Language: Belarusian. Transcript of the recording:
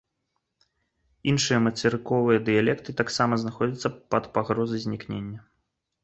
Іншыя мацерыковыя дыялекты таксама знаходзяцца пад пагрозай знікнення.